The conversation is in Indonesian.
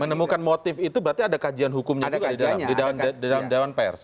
menemukan motif itu berarti ada kajian hukumnya juga di dalam dewan pers